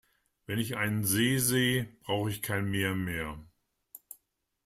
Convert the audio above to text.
Wenn ich einen See seh brauch ich kein Meer mehr.